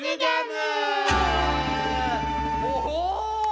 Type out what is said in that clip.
お！